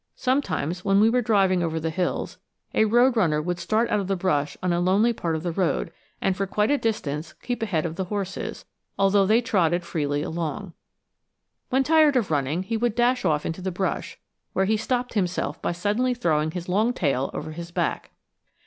Sometimes, when we were driving over the hills, a road runner would start out of the brush on a lonely part of the road and for quite a distance keep ahead of the horses, although they trotted freely along. When tired of running he would dash off into the brush, where he stopped himself by suddenly throwing his long tail over his back.